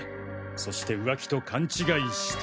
そして浮気と勘違いして。